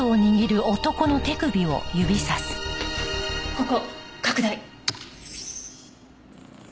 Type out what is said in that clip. ここ拡大。